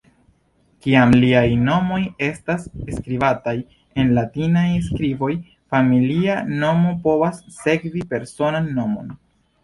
Kiam iliaj nomoj estas skribataj en latinaj skriboj, familia nomo povas sekvi personan nomon.